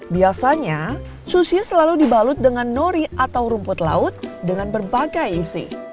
biasanya sushi selalu dibalut dengan nori atau rumput laut dengan berbagai isi